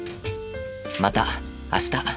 また明日。